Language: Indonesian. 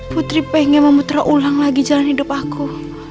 putri pengen memutar ulang lagi jalan hidup aku